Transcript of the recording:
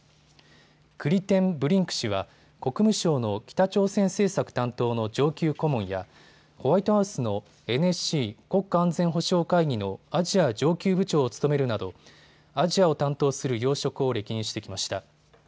クリテンブリンク氏は国務省の北朝鮮政策担当の上級顧問やホワイトハウスのＮＳＣ・国家安全保障会議のアジア上級部長を務めるなどアジアを担当する要職を歴任してきました。